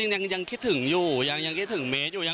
ก็จริงยังคิดถึงอยู่ยังคิดถึงเมตรอยู่